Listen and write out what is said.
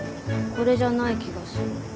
これじゃない気がする。